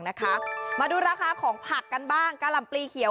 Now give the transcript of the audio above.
นะคะมาดูราคาของผักกันบ้างกะหล่ำปลีเขียว